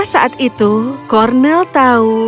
saat itu cornel tahu